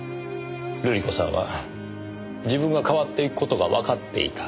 瑠璃子さんは自分が変わっていく事がわかっていた。